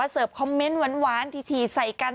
เสิร์ฟคอมเมนต์หวานถี่ใส่กัน